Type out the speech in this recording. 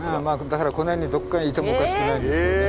だからこの辺にどっかにいてもおかしくないですよね。